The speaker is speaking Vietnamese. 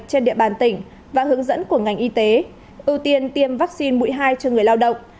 trên địa bàn tỉnh và hướng dẫn của ngành y tế ưu tiên tiêm vaccine mũi hai cho người lao động